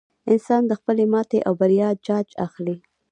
انسان د خپلې ماتې او بریا جاج اخیستلی.